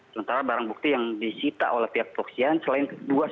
sementara barang bukti yang disita oleh pihak perusahaan